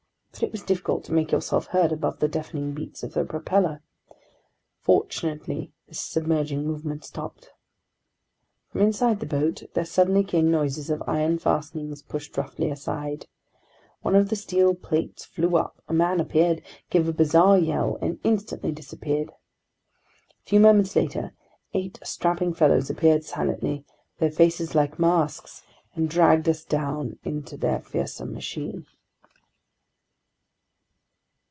But it was difficult to make yourself heard above the deafening beats of the propeller. Fortunately this submerging movement stopped. From inside the boat, there suddenly came noises of iron fastenings pushed roughly aside. One of the steel plates flew up, a man appeared, gave a bizarre yell, and instantly disappeared. A few moments later, eight strapping fellows appeared silently, their faces like masks, and dragged us down into their fearsome machine.